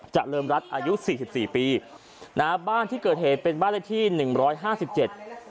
เจริญรัฐอายุสี่สิบสี่ปีนะฮะบ้านที่เกิดเหตุเป็นบ้านเลขที่หนึ่งร้อยห้าสิบเจ็ด